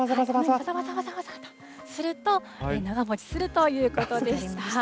ぱさぱさぱさぱさとすると、長もちするということでした。